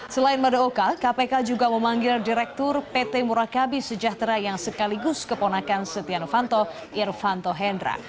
selain madaoka kpk juga memanggil direktur pt murakabi sejahtera yang sekaligus keponakan setia novanto irvanto hendra